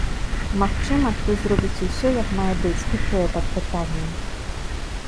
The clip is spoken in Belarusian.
Магчыма, той зробіць усё, як мае быць, і тое, пад пытаннем.